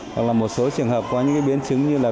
hoặc là một số trường hợp có những biến chứng như là